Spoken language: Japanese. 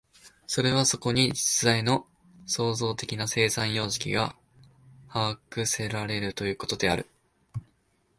それはそこに実在の創造的な生産様式が把握せられるということである。